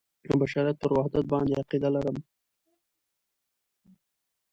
د بشریت پر وحدت باندې عقیده لرم.